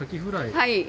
はい。